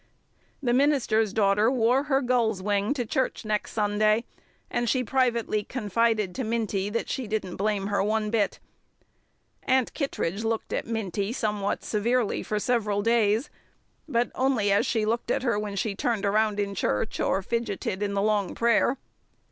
The minister's daughter wore her gull's wing to church the next Sunday, and she privately confided to Minty that she "didn't blame her one bit." Aunt Kittredge looked at Minty somewhat severely for several days but only as she looked at her when she turned around in church or fidgeted in the long prayer.